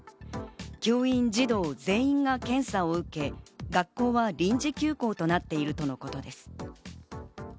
教員、児童、全員が検査を受け、学校は臨時休校となっているとのことです。